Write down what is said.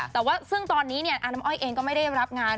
แต่ว่าซึ่งตอนนี้อาน้ำอ้อยเองก็ไม่ได้รับงาน